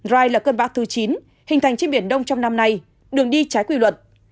rai là cơn bão thứ chín hình thành trên biển đông trong năm nay đường đi trái quy luật